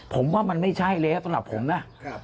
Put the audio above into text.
ผมว่ามันไม่ใช่แล้วสำหรับผมนะ